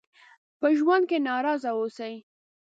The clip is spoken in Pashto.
په ژوند کې ناراضه اوسئ.